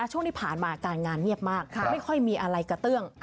ช่วงที่ผ่านมาการงานเงียบมากไม่ค่อยมีอะไรกระเตื้อง